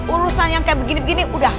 urusan yang kayak begini begini udah